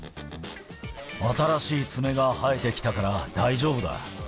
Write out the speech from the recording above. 新しい爪が生えてきたから、大丈夫だ。